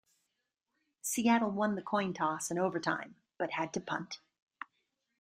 Seattle won the coin toss in overtime, but had to punt.